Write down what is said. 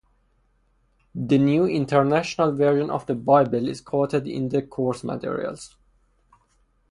The New International Version of the Bible is quoted in the course materials.